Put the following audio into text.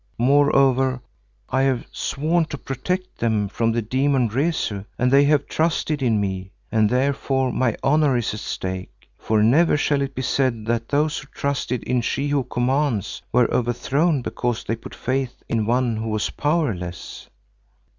Moreover I have sworn to protect them from the demon Rezu and they have trusted in me and therefore my honour is at stake, for never shall it be said that those who trusted in She who commands, were overthrown because they put faith in one who was powerless."